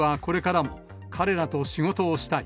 でも、僕はこれからも彼らと仕事をしたい。